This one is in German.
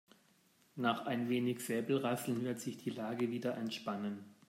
Nach ein wenig Säbelrasseln wird sich die Lage wieder entspannen.